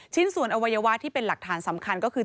ชิ้นส่วนอวัยวะที่เป็นหลักฐานสำคัญก็คือ